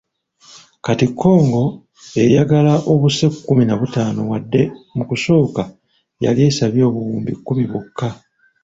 Kati Congo eyagala obuse kkumi na butaano wadde mu kusooka yali esabye obuwumbi kkumi bwokka.